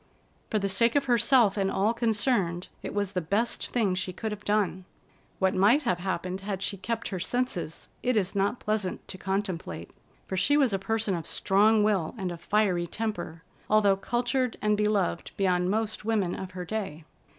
For the sake of herself and all concerned, it was the best thing she could have done. What might have happened had she kept her senses, it is not pleasant to contemplate, for she was a person of strong will and a fiery temper, although cultured and beloved beyond most women of her day.